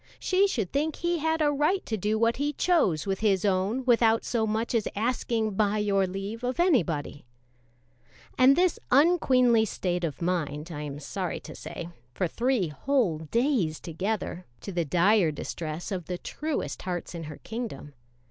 She should think he had a right to do what he chose with his own without so much as asking "by your leave" of anybody. And this unqueenly state of mind lasted, I am sorry to say, for three whole days together, to the dire distress of the truest hearts in her kingdom.